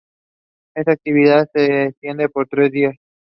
The airport is owned by the city of Cassville and has no control tower.